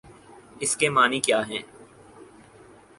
اس کے معانی کیا ہیں؟